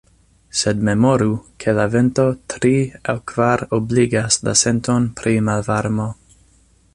Sed memoru, ke la vento tri- aŭ kvar-obligas la senton pri malvarmo.